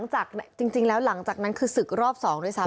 จริงแล้วหลังจากนั้นคือศึกรอบ๒ด้วยซ้ำ